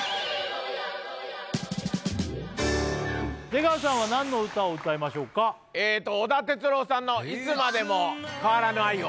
出川さんは何の歌を歌いましょうかえーと織田哲郎さんの「いつまでも変わらぬ愛を」